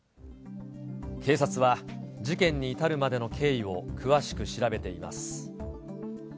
警察は事件に至るまでの経緯を詳しく調べています。